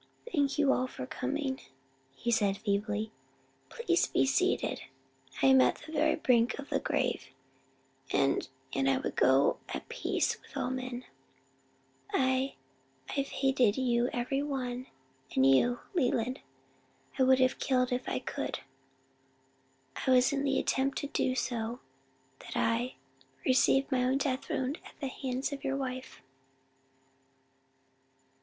"Thank you all for coming;" he said feebly. "Please be seated. I am at the very brink of the grave, and and I would go at peace with all men. I I've hated you every one. And you Leland, I would have killed if I could. It was in the attempt to do so that I received my own death wound at the hands of your wife."